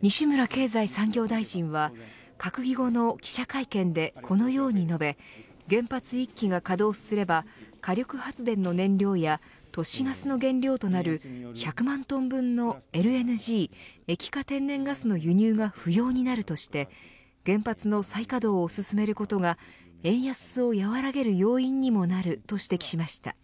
西村経済産業大臣は閣議後の記者会見でこのように述べ原発１基が稼働すれば火力発電の燃料や都市ガスの原料となる１００万トン分のＬＮＧ液化天然ガスの輸入が不要になるとして原発の再稼働を進めることが円安を和らげる要因にもなると指摘しました。